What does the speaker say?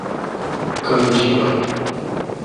Candiba